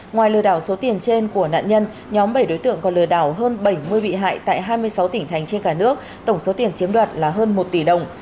ngoài lừa đảo số tiền trên của nạn nhân nhóm bảy đối tượng còn lừa đảo hơn bảy mươi bị hại tại hai mươi sáu tỉnh thành trên cả nước tổng số tiền chiếm đoạt là hơn một tỷ đồng